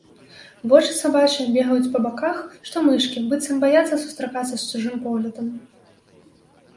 Вочы сабачыя бегаюць па баках, што мышкі, быццам баяцца сустракацца з чужым поглядам.